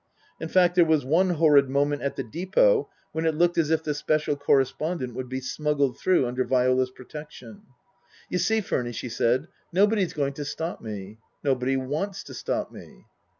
In fact, there was one horrid moment at the depot when it looked as if the Special Correspondent would be smuggled through under Viola's protection. " You see, Furny," she said, " nobody's going to stop me. Nobody wants to stop me."